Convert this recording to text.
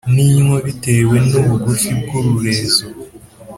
n ' i nnyo, b itewe n'ubugufi bw'ururezo.